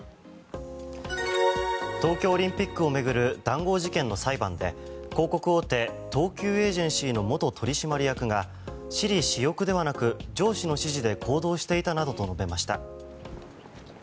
東京オリンピックを巡る談合事件の裁判で広告大手、東急エージェンシーの元取締役が私利私欲ではなく上司の指示で行動していたなどと述べました。